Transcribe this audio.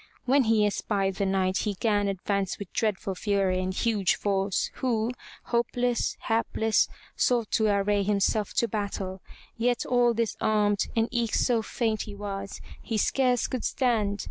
When he espied the Knight he gan advance with dreadful fury and huge force, who, hopeless, hapless, sought to array himself to battle; yet all disarmed and eke so faint he was, he scarce could stand.